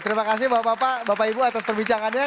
terima kasih bapak ibu atas perbicaraannya